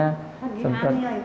lagi hamil itu